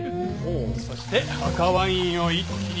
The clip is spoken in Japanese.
そして赤ワインを一気に加え。